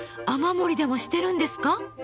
雨漏りでもしてるんですか？